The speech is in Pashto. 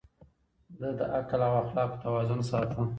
ده د عقل او اخلاقو توازن ساته.